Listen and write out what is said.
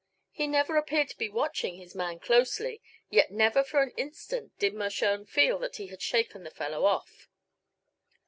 He never appeared to be watching his man closely, yet never for an instant did Mershone feel that he had shaken the fellow off.